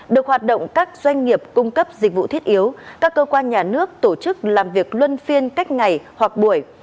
được hoạt động các doanh nghiệp cung cấp dịch vụ thiết yếu các cơ quan nhà nước tổ chức làm việc luân phiên cách ngày hoặc buổi